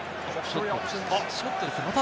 ショットですね。